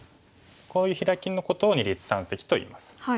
こういうヒラキのことを二立三析といいます。